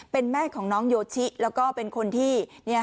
เป็นแม่ของน้องโยชิแล้วก็เป็นคนที่